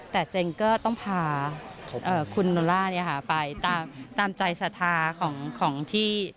แต่เจนก็ต้องพาคุณโนล่าไปตามใจสถาของที่พูดมาแล้ว